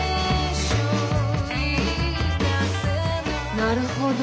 なるほど。